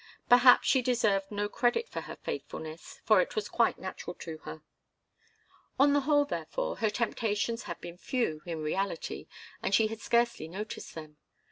Perhaps she deserved no credit for her faithfulness, for it was quite natural to her. On the whole, therefore, her temptations had been few, in reality, and she had scarcely noticed them.